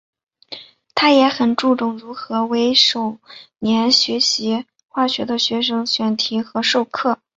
他也很注重如何为首年学习化学的学生选题和授课。